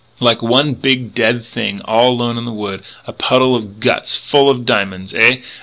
like one big dead thing all alone in the wood.... A puddle of guts full of diamonds! Ah!